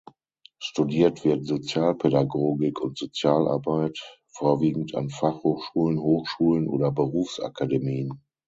Studiert wird Sozialpädagogik und Sozialarbeit vorwiegend an Fachhochschulen, Hochschulen oder Berufsakademien.